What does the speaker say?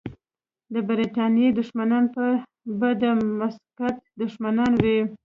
د برتانیې دښمنان به د مسقط دښمنان وي.